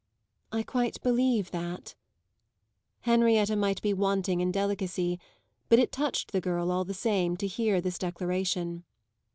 "I quite believe that." Henrietta might be wanting in delicacy, but it touched the girl, all the same, to hear this declaration.